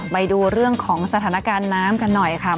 ไปดูเรื่องของสถานการณ์น้ำกันหน่อยค่ะ